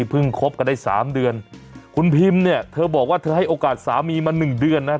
คบกันได้สามเดือนคุณพิมเนี่ยเธอบอกว่าเธอให้โอกาสสามีมาหนึ่งเดือนนะ